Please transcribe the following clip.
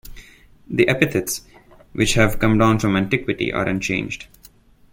The epithets, which have come down from antiquity, are unchanged.